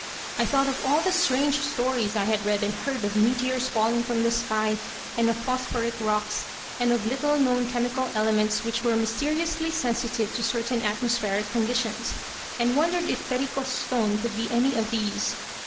"I thought of all the strange stories I had read and heard of meteors falling from the sky, and of phosphoric rocks, and of little known chemical elements which were mysteriously sensitive to certain atmospheric conditions, and wondered if Perico's stone could be any of these.